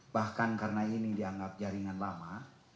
bahkan karena ini dianggap jaringan lama